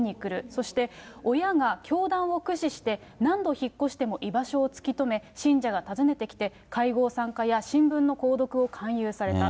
そして親が教団を駆使して、何度引っ越しても居場所を突き止め、信者が訪ねてきて、会合参加や新聞の購読を勧誘された。